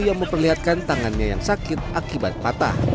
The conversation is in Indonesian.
yang memperlihatkan tangannya yang sakit akibat patah